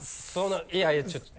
いやいやちょっと。